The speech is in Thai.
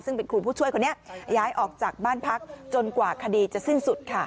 ซึ่งเป็นครูผู้ช่วยคนนี้ย้ายออกจากบ้านพักจนกว่าคดีจะสิ้นสุดค่ะ